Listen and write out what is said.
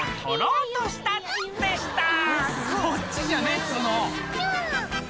「こっちじゃねえっつうの！」